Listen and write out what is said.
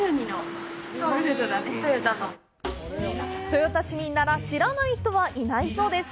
豊田市民なら知らない人はいないそうです。